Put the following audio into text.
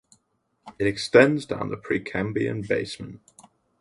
It extends down to the Precambrian basement.